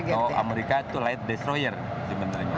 bahwa amerika itu light destroyer sebenarnya